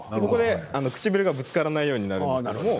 ここで唇がぶつからないようになるんです。